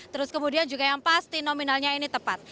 terus kemudian juga yang pasti nominalnya ini tepat